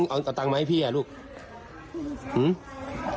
และตอนเที่ยงไม่มีเห็นกินไอติมค่ะ